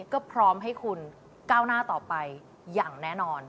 ก็พร้อมให้คุณก้าวหน้าต่อไปอย่างแน่นอน